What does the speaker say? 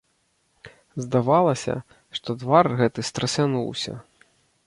Здавалася, што твар гэты страсянуўся.